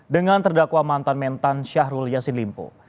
dengan terdakwa mantan mentan syahrul yassin limpo